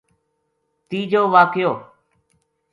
تیجو واقعو